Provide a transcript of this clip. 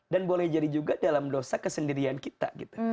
dan boleh jadi juga dalam dosa kesendirian kita